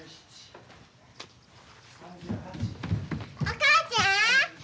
お母ちゃん！